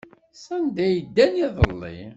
Sanda ay ddan iḍelli?